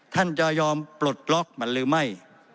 ท่านจะยอมปลดล็อกมันหรือไม่